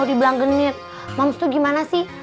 dibelang genit mams tuh gimana sih